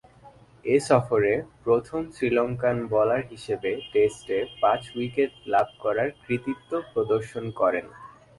এ সফরে প্রথম Sri Lankan bowler হিসেবে টেস্টে পাঁচ-উইকেট লাভ করার কৃতিত্ব প্রদর্শন করেন।